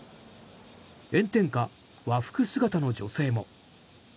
炎天下、和服姿の女性も。